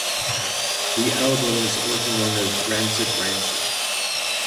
The album is also known as Rancid Rancid.